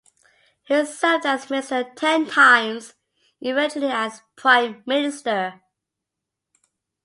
He served as Minister ten times, and eventually as Prime Minister.